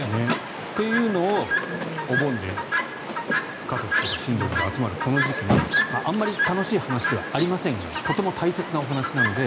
っていうのを、お盆で家族とか親族が集まるこの時期にあまり楽しい話ではありませんがとても大切なお話なので